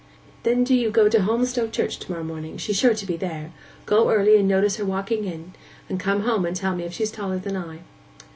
'Then do you go to Holmstoke church to morrow morning: she's sure to be there. Go early and notice her walking in, and come home and tell me if she's taller than I.